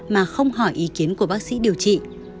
mà không hỏi ý kiến của bác sĩ điều trị